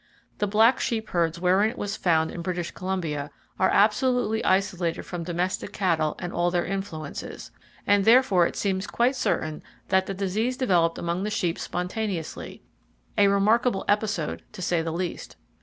The black sheep herds wherein it was found in British Columbia are absolutely isolated from domestic cattle and all their influences, and therefore it seems quite certain that the disease developed among the sheep spontaneously,—a remarkable episode, to say the least.